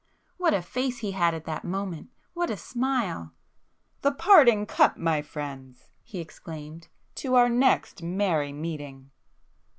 What a face he had at that moment!—what a smile! "The parting cup, my friends!" he exclaimed—"To our next merry meeting!"